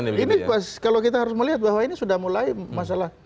ini kalau kita harus melihat bahwa ini sudah mulai masalah